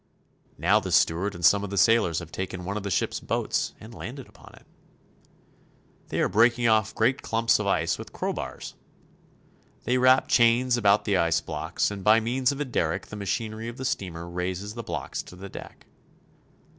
Now the steward and some of the sailors have taken one of the ship's boats and landed upon it. They are break ing off great lumps of ice with crowbars. They wrap chains about the ice blocks, and by means of a derrick the machinery of the steamer raises the blocks to the deck.